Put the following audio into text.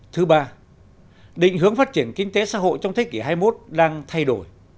thứ ba định hướng phát triển kinh tế xã hội trong thế kỷ hai mươi một đang thay đổi